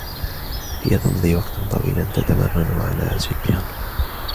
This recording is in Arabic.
هي تمضي وقتا طويلا تتمرّن على عزف البيانو.